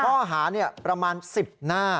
ข้อหาประมาณ๑๐หน้า